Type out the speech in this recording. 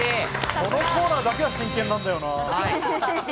このコーナーだけは真剣なんだよなぁ。